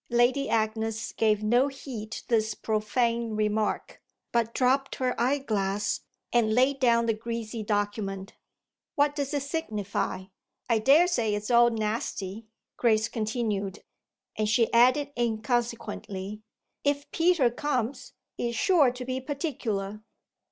Lady Agnes gave no heed to this profane remark, but dropped her eye glass and laid down the greasy document. "What does it signify? I daresay it's all nasty," Grace continued; and she added inconsequently: "If Peter comes he's sure to be particular."